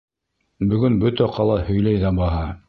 Бөтөн ҡала һөйләй ҙә баһа!